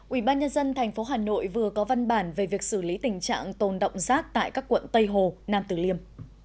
ủy ban nhân dân tp hà nội vừa có văn bản về việc xử lý tình trạng tồn động rác tại các quận tây hồ nam tử liêm